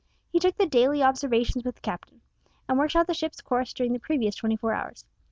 He took the daily observations with the captain, and worked out the ship's course during the previous twenty four hours.